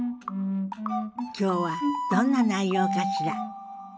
今日はどんな内容かしら。